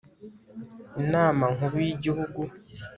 inama nkuru y'igihugu